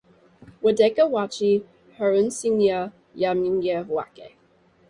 Wodeka Wacha harusinyi ya mghenyi wake.